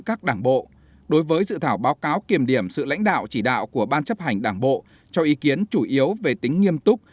các đồng chí đạo của ban chấp hành đảng bộ cho ý kiến chủ yếu về tính nghiêm túc